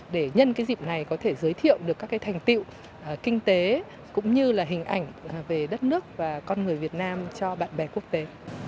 để nhân cái dịp này có thể giới thiệu được các cái thành tiệu kinh tế cũng như là hình ảnh về đất nước và con người việt nam cho bạn bè quốc tế